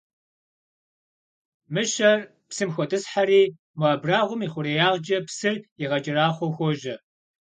Мыщэр псым хотӀысхьэри, мо абрагъуэм и хъуреягъкӀэ псыр игъэкӀэрахъуэу хуожьэ.